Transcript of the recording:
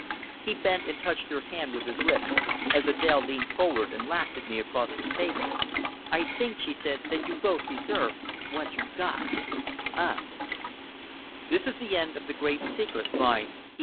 He bent and touched her hand with his lips, as Adèle leaned forward and laughed at me across the table. "I think," she said; "that you both deserve what you got us!" End of Project Gutenberg's The Great Secret, by E.